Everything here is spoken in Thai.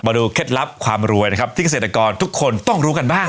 ดูเคล็ดลับความรวยนะครับที่เกษตรกรทุกคนต้องรู้กันบ้าง